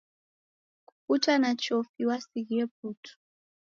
Kuputa na chofi wasighie putu.